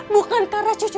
bukan karena cucu